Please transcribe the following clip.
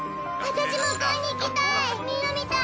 私も学校に行きたい！